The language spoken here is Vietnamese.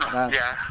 dạ dạ đúng rồi